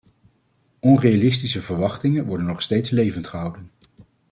Onrealistische verwachtingen worden nog steeds levend gehouden.